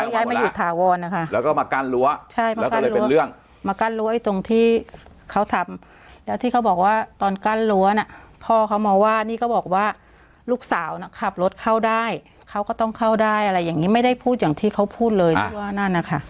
ย้ายมาอยู่ถาวรนะคะแล้วก็มากั้นรั้วใช่ป่ะแล้วก็เลยเป็นเรื่องมากั้นรั้วไอ้ตรงที่เขาทำแล้วที่เขาบอกว่าตอนกั้นรั้วน่ะพ่อเขามาว่านี่ก็บอกว่าลูกสาวน่ะขับรถเข้าได้เขาก็ต้องเข้าได้อะไรอย่างนี้ไม่ได้พูดอย่างที่เขาพูดเลยที่ว่านั่นนะคะ